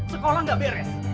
sekolah gak beres